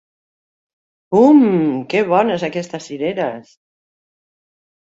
Hum, que bones, aquestes cireres!